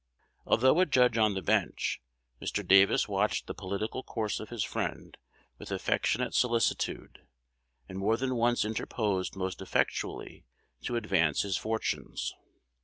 Although a judge on the bench, Mr. Davis watched the political course of his friend with affectionate solicitude, and more than once interposed most effectually to advance his fortunes.